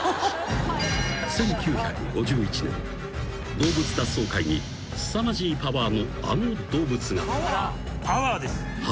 ［動物脱走界にすさまじいパワーのあの動物が］